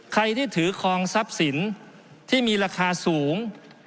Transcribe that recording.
ใครที่ถือคลองทรัพย์สินที่มีราคาสูง